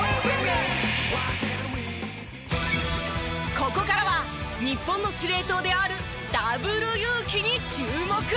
ここからは日本の司令塔であるＷユウキに注目！